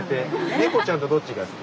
猫ちゃんとどっちが好き？